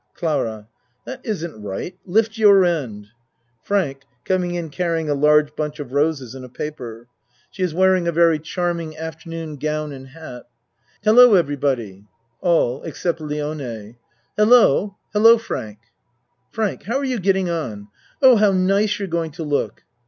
CLARA That isn't straight. Lift your end FRANK (Coming in carrying a large bunch of roses in a paper. She is wearing a very charming ACT II 59 afternoon gown and hat.) Hello, everybody. ALL (Except Lione.) Hello! Hello, Frank! FRANK How're you getting on? Oh, how nice you're going to look.